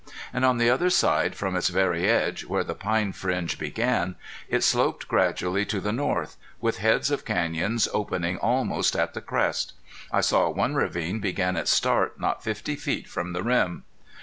And on the other side from its very edge, where the pine fringe began, it sloped gradually to the north, with heads of canyons opening almost at the crest. I saw one ravine begin its start not fifty feet from the rim.